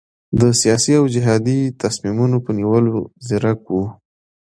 د سیاسي او جهادي تصمیمونو په نیولو کې ځیرک وو.